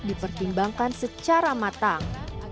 dipertimbangkan secara matang